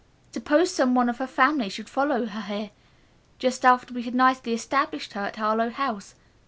Suppose some one of her family should follow her here just after we had nicely established her at Harlowe House?